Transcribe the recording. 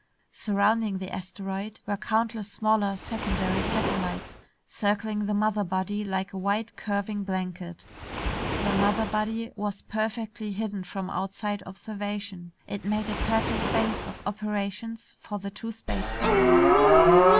Surrounding the asteroid were countless smaller secondary satellites circling the mother body like a wide curving blanket. The mother body was perfectly hidden from outside observation. It made a perfect base of operations for the two space pirates.